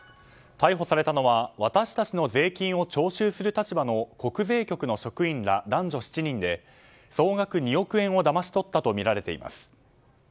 逮捕されたのは私たちの税金を徴収する立場の国税局の職員ら男女７人で総額２億円をだまし取ったとみられています。